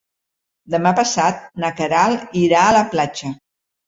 Demà passat na Queralt irà a la platja.